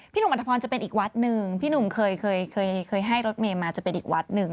หนุ่มอัธพรจะเป็นอีกวัดหนึ่งพี่หนุ่มเคยเคยให้รถเมย์มาจะเป็นอีกวัดหนึ่ง